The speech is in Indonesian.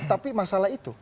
tapi masalah itu